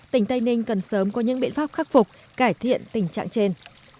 tỉnh tây ninh cần sớm có những biện pháp khắc phục cải thiện tình trạng trên